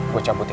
gue cabut ya